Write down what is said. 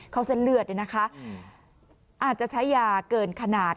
เส้นเลือดเนี่ยนะคะอาจจะใช้ยาเกินขนาด